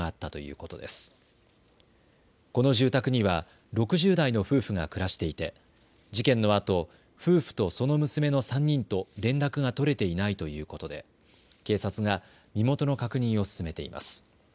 この住宅には６０代の夫婦が暮らしていて事件のあと夫婦とその娘の３人と連絡が取れていないということで警察が身元の確認を進めています。